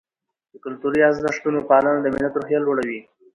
د کلتوري ارزښتونو پالنه د ملت روحیه لوړوي.